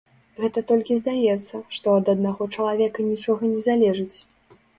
Гэта толькі здаецца, што ад аднаго чалавека нічога не залежыць.